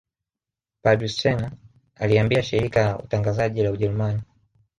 Padre Stenger aliiambia shirika ia utangazaji la Ujerumani